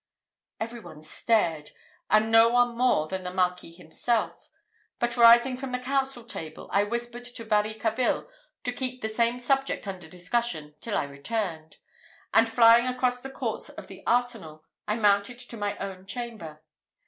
Every one stared, and no one more than the Marquis himself; but rising from the council table, I whispered to Varicarville to keep the same subject under discussion till I returned; and flying across the courts of the arsenal, I mounted to my own chamber.